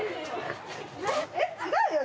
えっ違うよ。